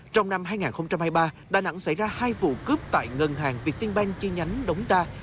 trong năm hai nghìn hai mươi ba đà nẵng xảy ra hai vụ cướp tại ngân hàng việt tiên banh chi nhánh đống đa